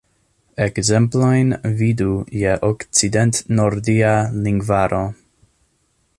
Ekzemplojn vidu je Okcident-nordia lingvaro.